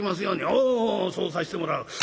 「おうおうそうさしてもらう。